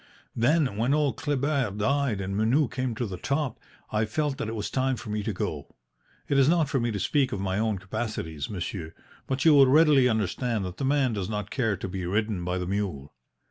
Then when old Kleber died and Menou came to the top, I felt that it was time for me to go. It is not for me to speak of my own capacities, monsieur, but you will readily understand that the man does not care to be ridden by the mule.